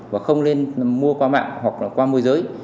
và không nên mua qua mạng hoặc là qua môi giới